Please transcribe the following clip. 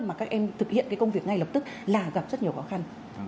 mà các em thực hiện cái công việc ngay lập tức là gặp rất nhiều khó khăn